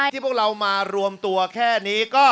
พวกเรามารวมตัวแค่นี้